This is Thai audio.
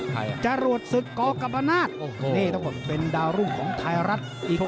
ใครจรวดศึกกกับอาณาจนี่ทุกคนเป็นดาวรุ่งของไทยรัฐอีกคนนึงครับ